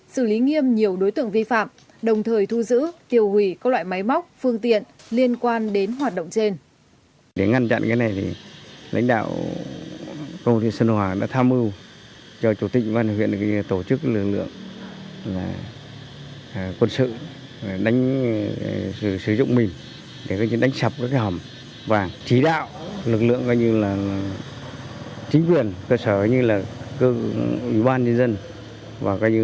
xử lý nghiêm nhiều đối tượng vi phạm đồng thời thu giữ tiêu hủy các loại máy móc